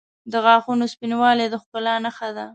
• د غاښونو سپینوالی د ښکلا نښه ده.